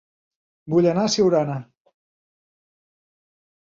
Vull anar a Siurana